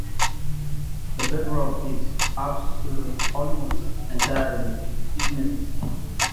The bedrock is almost entirely gneiss.